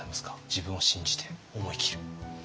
自分を信じて思い切る。